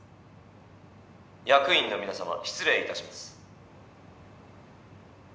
役員の皆さま失礼いたします。